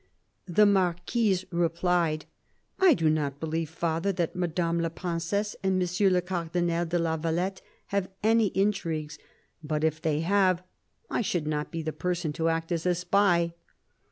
The Marquise replied : "I do not believe, Father, that Madame la Princesse and M. le Cardinal de la Valette have any intrigues ; but if they have, I should not be the person to act as a spy